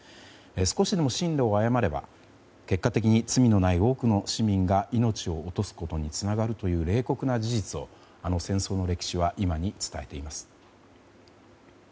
少しでも進路を誤れば結果的に、罪のない多くの市民が命を落とすことにつながるという冷酷な事実をあの戦争の歴史は今に伝えています。